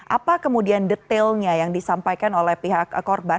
apa kemudian detailnya yang disampaikan oleh pihak korban